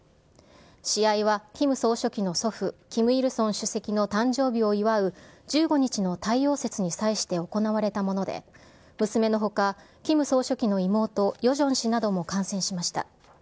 試合はキム総書記の祖父、キム・イルソン主席の誕生日を祝う１５日の太陽節に際して行われたもので、娘のほかキム総書記の妹、ヨジョン氏なども観戦しました。